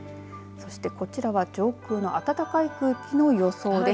そしてこちらは上空の暖かい空気の予想です。